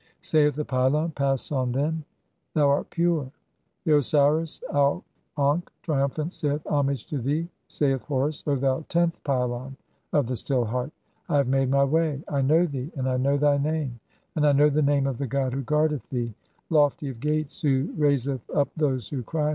[Saith the pylon :—] "Pass on, then, thou art pure." X. (37) The Osiris Auf ankh, triumphant, saith :— "Homage to thee, saith Horus, O thou tenth pylon of the "Still Heart. I have made [my] way. I know thee, and I know "thy name, and I know the name of the god who guardeth (38) "thee. 'Lofty of gates, who raiseth up those who cry